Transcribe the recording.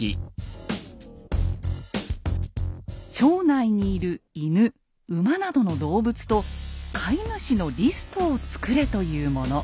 「町内にいる犬馬などの動物と飼い主のリストを作れ」というもの。